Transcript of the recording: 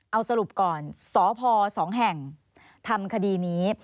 เอาสรุปก่อนสพ๒แห่งทำคดีนี้